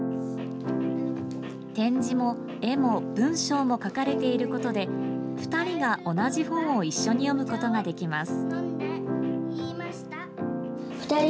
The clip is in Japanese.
点字も、絵も、文章もかかれていることで２人が同じ本を一緒に読むことができます。